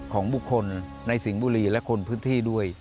ของบุคคลในสิงห์บุรีและคนพื้นที่ด้วย